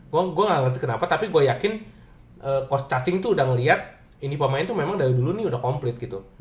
gue gak ngerti kenapa tapi gue yakin coach charging tuh udah ngeliat ini pemain tuh memang dari dulu nih udah komplit gitu